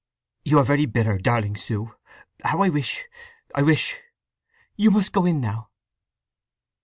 "You are very bitter, darling Sue! How I wish—I wish—" "You must go in now!"